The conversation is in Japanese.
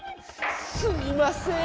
すいません！